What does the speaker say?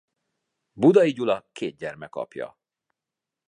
Budai Gyula két gyermek apja.